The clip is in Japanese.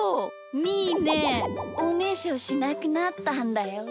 みーねおねしょしなくなったんだよ！